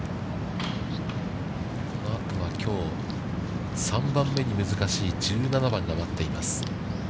このあとは、きょう３番目に難しい１７番が待っています。